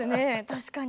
確かに。